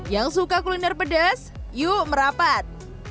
yang suka kuliner pedas yuk merapat